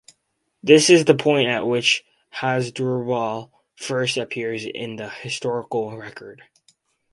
This is the point at which Hasdrubal first appears in the historical record.